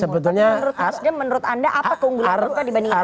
sebetulnya menurut anda apa keunggulan bukofifa dibandingin asahi